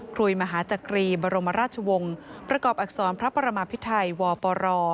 คุยมหาจักรีบรมราชวงศ์ประกอบอักษรพระประมาพิไทยวปร